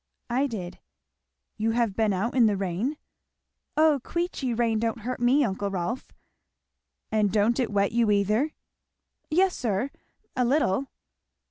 "I did." "You have been out in the rain?" "O Queechy rain don't hurt me, uncle Rolf." "And don't it wet you either?" "Yes sir a little."